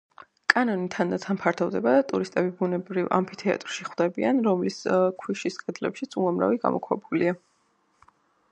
კანიონი თანდათან ფართოვდება და ტურისტები ბუნებრივ ამფითეატრში ხვდებიან, რომლის ქვიშის კედლებში უამრავი გამოქვაბულია.